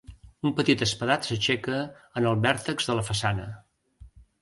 Un petit espadat s'aixeca en el vèrtex de la façana.